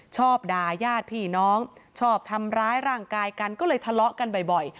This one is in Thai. ชอบด่ายาดพี่น้องชอบทำร้ายร่างกายกันก็เลยทะเลาะกันบ่อย